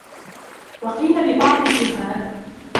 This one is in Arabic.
وَقِيلَ لِبَعْضِ الزُّهَّادِ